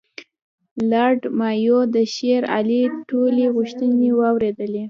لارډ مایو د شېر علي ټولې غوښتنې واورېدلې.